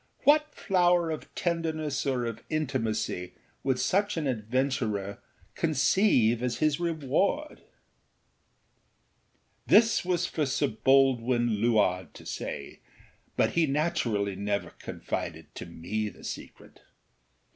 What flower of tenderness or of intimacy would such an adventurer conceive as his reward? This was for Sir Baldwin Luard to say; but he naturally never confided to me the secret.